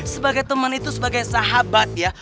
sebagai teman itu sebagai sahabat ya